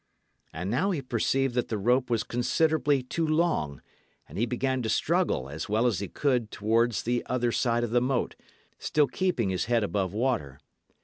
And now he perceived that the rope was considerably too long, and he began to struggle as well as he could towards the other side of the moat, still keeping his head above water.